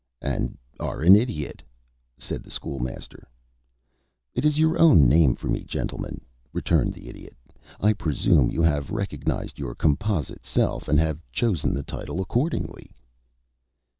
"And are an Idiot," said the School Master. "It is your own name for me, gentlemen," returned the Idiot. "I presume you have recognized your composite self, and have chosen the title accordingly."